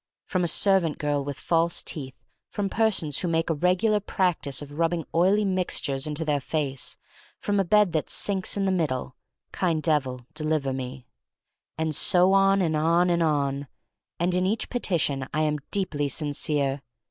From a servant girl with false teeth; from persons who make a regular prac tice of rubbing oily mixtures into their faces; from a bed that sinks in the mid dle: Kind Devil, deliver me. And so on and on and on. And in each petition I am deeply sincere.